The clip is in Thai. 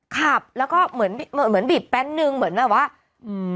ขับแล้วก็เหมือนเหมือนบีบแป๊บนึงเหมือนแบบว่าอืม